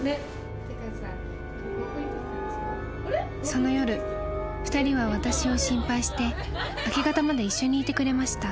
［その夜２人は私を心配して明け方まで一緒にいてくれました］